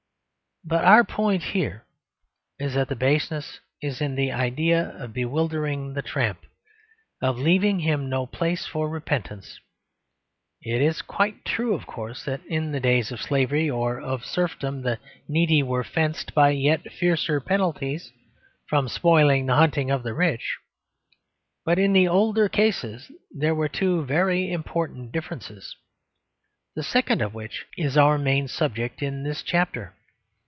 But our point here is that the baseness is in the idea of bewildering the tramp; of leaving him no place for repentance. It is quite true, of course, that in the days of slavery or of serfdom the needy were fenced by yet fiercer penalties from spoiling the hunting of the rich. But in the older case there were two very important differences, the second of which is our main subject in this chapter.